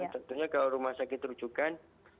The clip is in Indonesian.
tentunya kalau rumah sakit rujukan